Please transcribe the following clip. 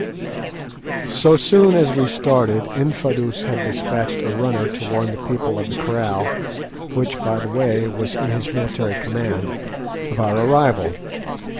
So soon as we started Infadoos had despatched a runner to warn the people of the kraal, which, by the way, was in his military command, of our arrival.